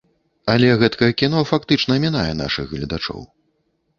Але гэткае кіно фактычна мінае нашых гледачоў.